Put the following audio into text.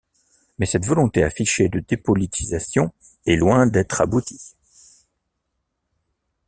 Mais cette volonté affichée de dépolitisation est loin d'être aboutie.